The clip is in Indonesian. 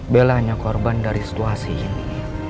bella hanya korban dari situasi ini